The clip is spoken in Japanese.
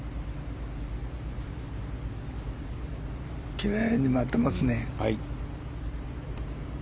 きれいに回っていますね。